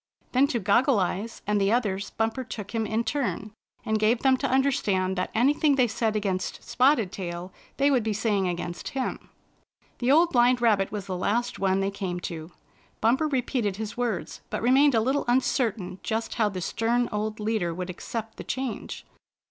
Then to Goggle Eyes and the others. Bumper took him in turn, and gave them to understand that anything they said against Spotted Tail they would be saying against him. The Old Blind Rabbit was the last one they came to. Bumper repeated his words, but re mained a little imcertain just how the stem old leader would accept the change.